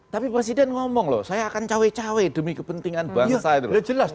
tapi presiden ngomong loh saya akan cawe cawe demi kepentingan bangsa itu